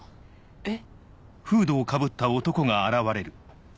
えっ？